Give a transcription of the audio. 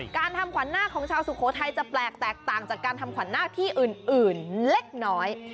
การทำขวัญหน้าของชาวสุโขทัยจะแปลกแตกต่างจากการทำขวัญหน้าที่อื่นเล็กน้อย